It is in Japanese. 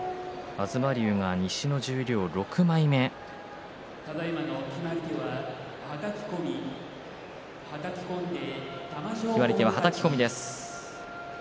東龍を西の十両６枚目決まり手は、はたき込みです。